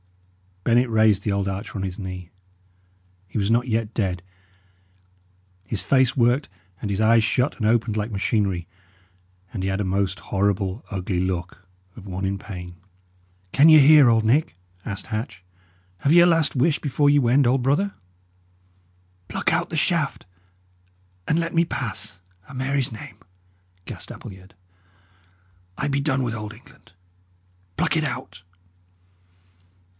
Bennet raised the old archer on his knee. He was not yet dead; his face worked, and his eyes shut and opened like machinery, and he had a most horrible, ugly look of one in pain. "Can ye hear, old Nick?" asked Hatch. "Have ye a last wish before ye wend, old brother?" "Pluck out the shaft, and let me pass, a' Mary's name!" gasped Appleyard. "I be done with Old England. Pluck it out!"